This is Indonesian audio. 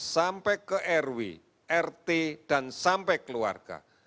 sampai ke rw rt dan sampai keluarga